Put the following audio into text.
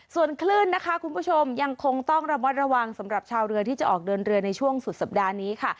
ส่วนคลื่นนะคะคุณผู้ชมยังคงต้องระมัดระวังสำหรับชาวเรือที่จะออกเดินเรือในช่วงสุดสัปดาห์นี้ค่ะ